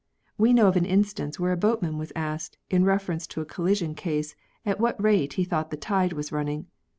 We know of an instance where a boatman was asked, in reference to a collision case, at what rate he thought the tide was running.